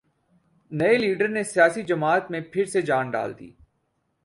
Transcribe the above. نئےلیڈر نے سیاسی جماعت میں پھر سے جان ڈال دی